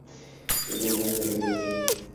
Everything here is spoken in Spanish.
Su lema es "Salud hoy".